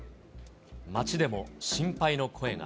街でも心配の声が。